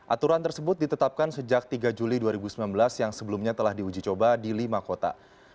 aturan tersebut ditetapkan sejak tiga juli dua ribu sembilan belas yang sebelumnya telah diuji coba di lima kota